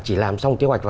chỉ làm xong kế hoạch